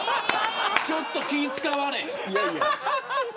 ちょっと気を使われ。